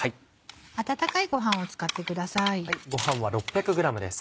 温かいごはんを使ってください。